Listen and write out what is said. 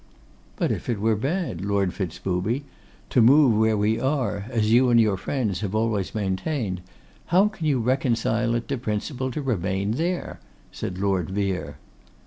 'But if it were bad, Lord Fitz booby, to move where we are, as you and your friends have always maintained, how can you reconcile it to principle to remain there?' said Lord Vere.